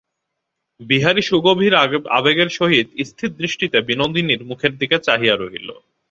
বিহারী সুগভীর আবেগের সহিত স্থিরদৃষ্টিতে বিনোদিনীর মুখের দিকে চাহিয়া রহিল।